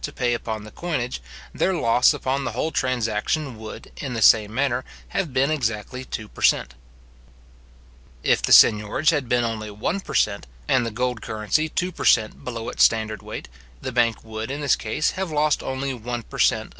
to pay upon the coinage, their loss upon the whole transaction would, in the same manner, have been exactly two per cent. If the seignorage had been only one per cent., and the gold currency two per cent. below its standard weight, the bank would, in this case, have lost only one per cent.